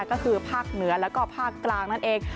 ก็คือภาคเหนือแล้วก็ภาคกลางนั่นเอง